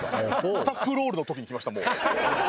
スタッフロールの時にきましたもう。